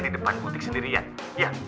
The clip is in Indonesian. di depan butik sendirian ya